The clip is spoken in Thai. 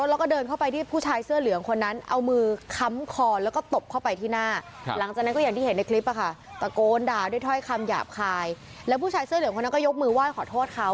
แล้วผู้ชายเสื้อเหลืองคนนั้นก็ยกมือว่าขอโทษเขา